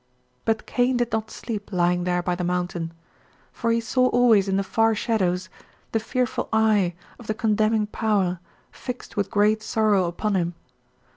"But Cain did not sleep, lying there by the mountain, for he saw always in the far shadows the fearful Eye of the condemning power fixed with great sorrow upon him.